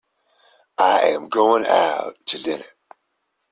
I am going out to dinner.